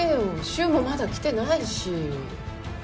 瞬もまだ来てないし。